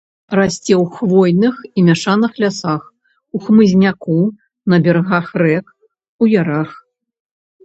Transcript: Расце ў хвойных і мяшаных лясах, у хмызняку на берагах рэк, у ярах.